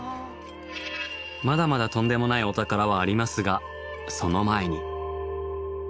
まだまだとんでもないお宝はありますがその前に。